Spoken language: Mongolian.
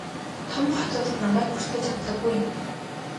Том хотуудад намайг бүртгэж авдаггүй юм.